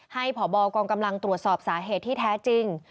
พบกองกำลังตรวจสอบสาเหตุที่แท้จริง